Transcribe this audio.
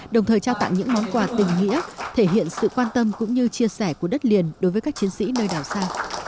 đồng thời trao tặng những món quà tình nghĩa thể hiện sự quan tâm cũng như chia sẻ của đất liền đối với các chiến sĩ nơi đảo xa